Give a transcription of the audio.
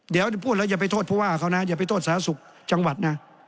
เดี๋ยวพูดแล้วอย่าไปโทษผู้ว่าเขานะอย่าไปโทษสาธารณสุขจังหวัดนะ